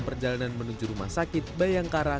perjalanan menuju rumah sakit bayangkara